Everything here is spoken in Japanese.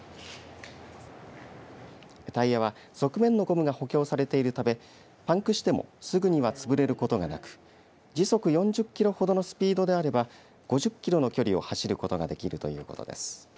タイヤは側面のゴムが補強されているためパンクしてもすぐにはつぶれることがなく時速４０キロ程のスピードであれば５０キロの距離を走ることができるということです。